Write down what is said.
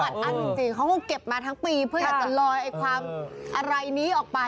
อัดอั้นจริงเขาก็เก็บมาทั้งปีเพื่ออยากจะลอยความอะไรนี้ออกไป